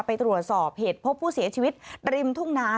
ไปตรวจสอบเหตุพบผู้เสียชีวิตริมทุ่งนา